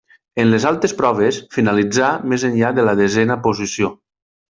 En les altres proves finalitzà més enllà de la desena posició.